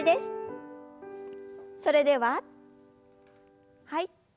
それでははい。